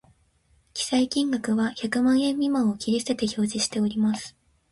記載金額は百万円未満を切り捨てて表示しております